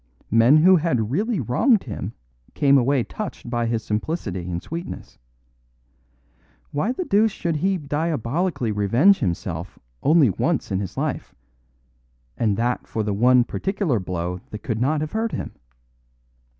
Men who had really wronged him came away touched by his simplicity and sweetness. Why the deuce should he diabolically revenge himself only once in his life; and that for the one particular blow that could not have hurt him?